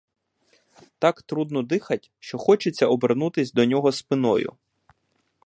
Так трудно дихать, що хочеться обернутись до нього спиною.